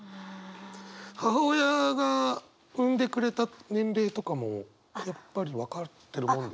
母親が産んでくれた年齢とかもやっぱり分かってるもんですか？